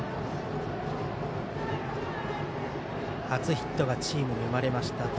初ヒットがチームに生まれました。